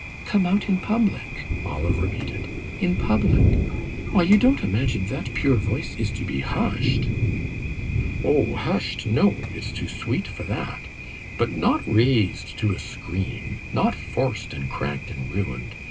"Come out in public!" Olive repeated; "in public? Why, you don't imagine that pure voice is to be hushed?" "Oh, hushed, no! it's too sweet for that. But not raised to a scream; not forced and cracked and ruined.